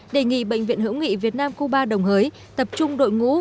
đề nghị bệnh viện hữu nghị việt nam cuba đồng hới tập trung đội ngũ